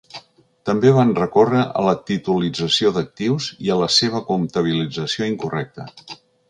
També van recórrer a la titulització d’actius i a la seva comptabilització incorrecta.